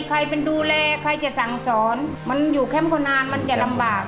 ใครเป็นดูแลใครจะสั่งสอนมันอยู่แคมป์คนนานมันจะลำบาก